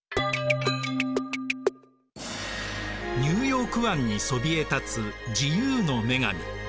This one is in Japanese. ニューヨーク湾にそびえ立つ自由の女神。